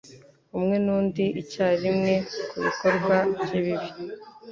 umwe nundi icyarimwe kubikorwa bye bibi